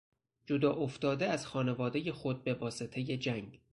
جداافتاده از خانوادهی خود به واسطهی جنگ